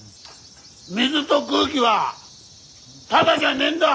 水ど空気はタダじゃねえんだ！